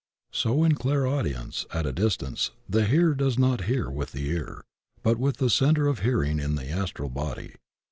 So in clairaudience at a distance the hearer does not hear with the ear, but with the centre of hearing in the Astral body.